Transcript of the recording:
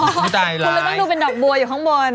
เพราะฉะนั้นก็ต้องดูดอกบัวอยู่ข้างบน